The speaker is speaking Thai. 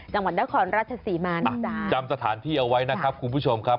จังหวัดนครราชศรีมานะจ๊ะจำสถานที่เอาไว้นะครับคุณผู้ชมครับ